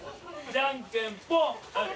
じゃんけんぽん！